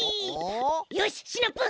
よしシナプー！